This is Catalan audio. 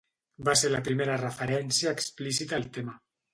Va ser la primera referència explícita al tema.